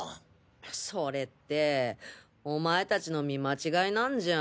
それってお前達の見間違いなんじゃ。